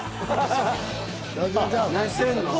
何してんの？